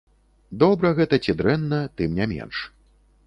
Добра гэта ці дрэнна, тым не менш.